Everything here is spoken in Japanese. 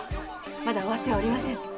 まだ終わってはおりません。